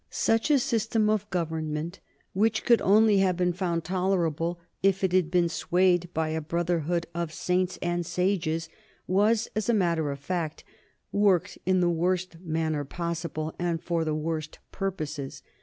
Such a system of government, which could only have been found tolerable if it had been swayed by a brotherhood of saints and sages, was, as a matter of fact, worked in the worst manner possible and for the worst purposes.